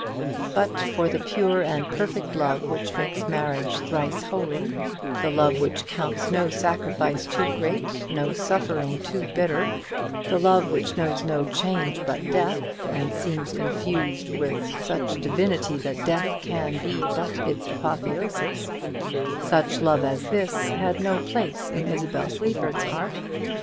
But for the pure and perfect love which makes marriage thrice holy, the love which counts no sacrifice too great, no suffering too bitter, the love which knows no change but death, and seems instinct with such divinity that death can be but its apotheosis, such love as this had no place in Isabel Sleaford's heart.